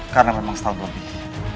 karena memang setahun lebih